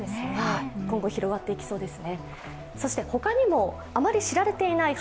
今後広がっていきそうですね。